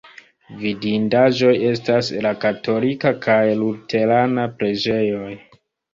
Vidindaĵoj estas la katolika kaj luterana preĝejoj.